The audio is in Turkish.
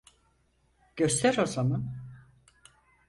Göster o zaman.